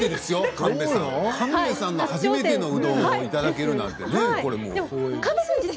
神戸さんの初めてのうどんをいただけるなんて。